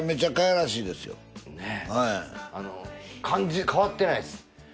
感じ変わってないです。